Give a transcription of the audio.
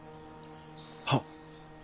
はっ。